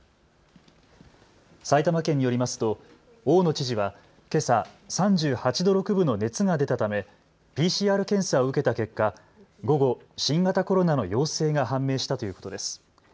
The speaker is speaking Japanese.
埼玉県によりますと大野知事はけさ３８度６分の熱が出たためＰＣＲ検査を受けた結果、午後、新型コロナの陽性が判明したということです。